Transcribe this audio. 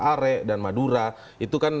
are dan madura itu kan